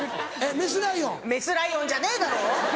メスライオンじゃねえだろ！